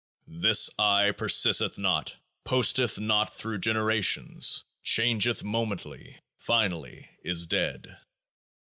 This I persisteth not, posteth not through generations, changeth momently, finally is dead.